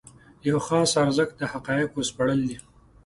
یو خاص ارزښت د حقایقو سپړل دي.